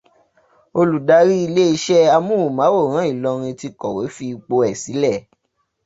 Olùdarí ilé iṣẹ́ amóhùnmáwòrán Ìlọrin ti kọ̀wé fi ipò ẹ̀ sílẹ̀.